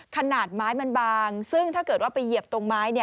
ขนาดไม้มันบางซึ่งถ้าเกิดว่าไปเหยียบตรงไม้